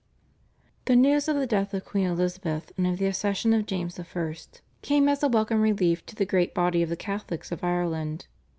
The news of the death of Queen Elizabeth and of the accession of James I. came as a welcome relief to the great body of the Catholics of Ireland.